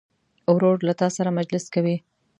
ورور له تا سره مجلس کوي.